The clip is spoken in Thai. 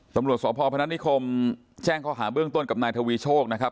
ตำรวจสพพนัทนิคมแจ้งข้อหาเบื้องต้นกับนายทวีโชคนะครับ